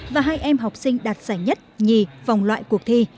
và hai em học sinh đạt giải nhất nhì vòng loại cuộc thi